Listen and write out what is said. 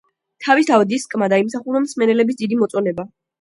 თავისთავად, დისკმა დაიმსახურა მსმენელების დიდი მოწონება.